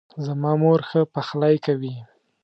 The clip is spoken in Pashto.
زما مور ښه پخلۍ کوي